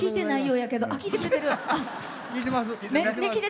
聞いてます。